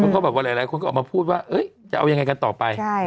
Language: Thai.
แล้วก็แบบว่าหลายคนก็ออกมาพูดว่าจะเอายังไงกันต่อไป